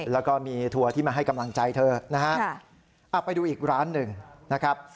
แล้วก็มีทัวร์ที่มาให้กำลังใจเธอนะฮะไปดูอีกร้านหนึ่งนะครับ